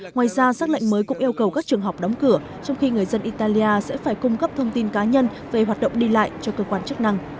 ngoài ra sắc lệnh mới cũng yêu cầu các trường học đóng cửa trong khi người dân italia sẽ phải cung cấp thông tin cá nhân về hoạt động đi lại cho cơ quan chức năng